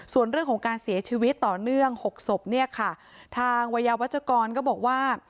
ส่วนเรื่องของการเสียชีวิตต่อเนื่องหกศพเนี่ยค่ะทางวัยยาวัชกรก็บอกว่า